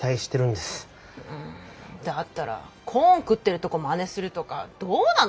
うんだったらコーン食ってるとこまねするとかどうなの？